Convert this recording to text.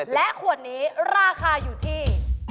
และขวดนี้ราคาอยู่ที่